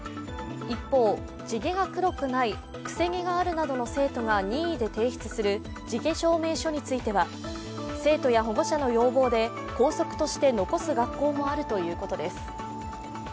一方、地毛が黒くない、癖毛があるなどの生徒が任意で提出する地毛証明書については生徒や保護者の要望で校則として残す学校もあるということです。